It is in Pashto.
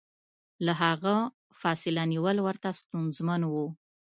له هغه فاصله نیول ورته ستونزمن و.